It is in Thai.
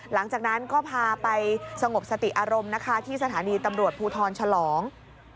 หลังจากนั้นก็พาไปสงบสติอารมณ์นะคะที่สถานีตำรวจภูทรฉลอง